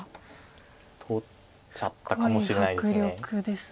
取っちゃったかもしれないです。